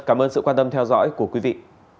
cảm ơn sự quan tâm theo dõi của quý vị